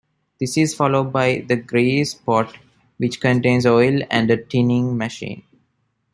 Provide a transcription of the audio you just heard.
This is followed by the grease pot, which contains oil and a "tinning machine".